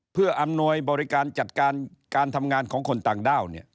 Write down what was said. เพื่ออำนวยบริการจัดการการทำงานของคนต่างด้าว